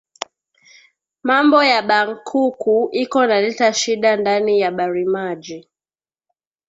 Mambo ya ba nkuku iko na leta shida ndani ya barimaji